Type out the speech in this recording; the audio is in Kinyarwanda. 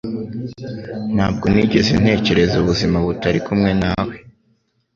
Ntabwo nigeze ntekereza ubuzima butari kumwe nawe.